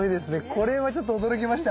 これはちょっと驚きました。